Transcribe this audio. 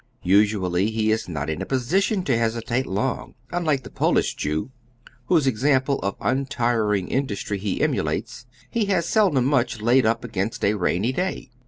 Usually he is not in a position to hesitate long. Unlike the Polish Jew, whose example of untiring industry he emulates, he has seldom much laid up against a rainy day.